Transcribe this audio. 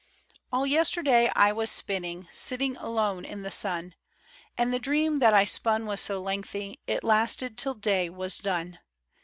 A LL yesterday I was spinning, Sitting alone in the sun; And the dream that I spun was so lengthy, It lasted till day was done.